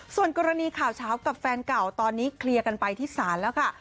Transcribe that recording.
ส่วนกรณีข่าวเช้ากับแฟนเก่าตอนนี้เคลียร์กันไปที่ศาลแล้วค่ะ